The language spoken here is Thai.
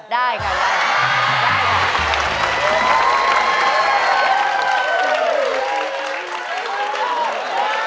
ได้ค่ะ